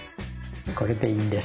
これでいいんです。